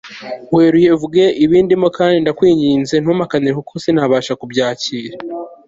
weruye uvuga ibindimo kandi ndakwinginze ntumpakanire kuko sinabasha kubyakira